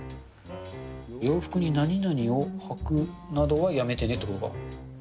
洋服に何々を履くなどはやめてねということか。